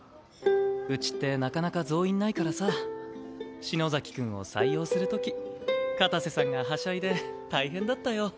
うちってなかなか増員ないからさ篠崎くんを採用する時片瀬さんがはしゃいで大変だったよ。